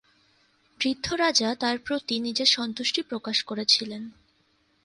বৃদ্ধ রাজা তার প্রতি নিজের সন্তুষ্টি প্রকাশ করেছিলেন।